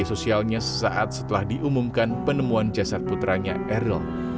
media sosialnya sesaat setelah diumumkan penemuan jasad putranya eril